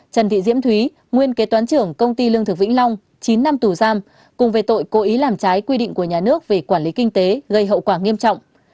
trần thị diễm thúy nguyên kế toán trưởng công ty lương thực vĩnh long chín năm tù giam cùng về tội cố ý làm trái quy định của nhà nước về quản lý kinh tế gây hậu quả nghiêm trọng